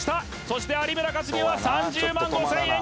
そして有村架純は３０万５０００円